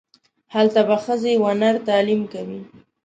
هلته به ښځې و نر تعلیم کوي.